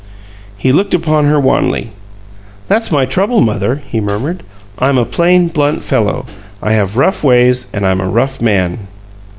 He looked upon her wanly. "That's my trouble, mother," he murmured. "I'm a plain, blunt fellow. I have rough ways, and I'm a rough man."